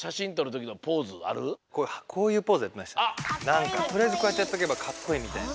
なんかとりあえずこうやってやっとけばかっこいいみたいな。